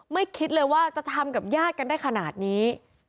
คิดเลยว่าจะทำกับญาติกันได้ขนาดนี้